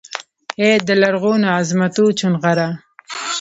ای دلرغونوعظمتوچونغره!